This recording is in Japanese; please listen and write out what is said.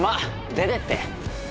出てって！